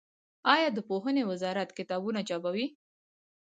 آیا د پوهنې وزارت کتابونه چاپوي؟